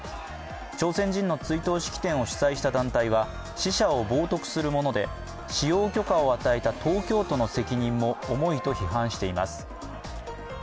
朝鮮人の追悼式典を主催した団体は死者を冒とくするもので使用許可を与えた東京都の責任も重いと批判しています。